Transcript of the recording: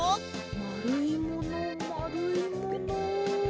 まるいものまるいもの。